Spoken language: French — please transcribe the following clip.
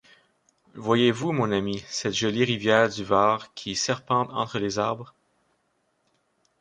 Voyez-vous, mon ami, cette jolie rivière du Vaar qui serpente entre les arbres ?